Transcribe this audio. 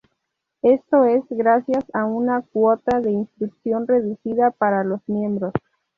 Esto es gracias a una cuota de inscripción reducida para los miembros.